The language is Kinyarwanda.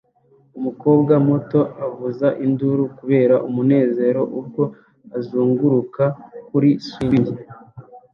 Umukobwa muto avuza induru kubera umunezero ubwo azunguruka kuri swing